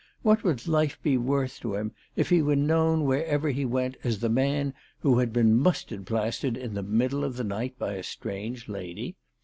What would life be worth to him if he were to be known wherever he went as the man who had been mustard plastered in the middle of the night by a strange lady